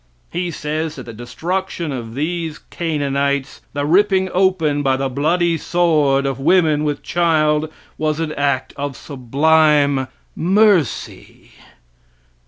He says that the destruction of these Canaanites, the ripping open by the bloody sword of women with child was an act of sublime mercy.